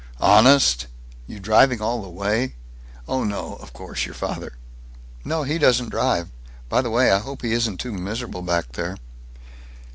"Honest? You driving all the way? Oh, no, of course your father " "No, he doesn't drive. By the way, I hope he isn't too miserable back there."